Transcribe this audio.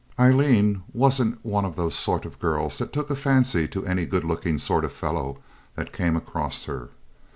Aileen wasn't one of those sort of girls that took a fancy to any good looking sort of fellow that came across her.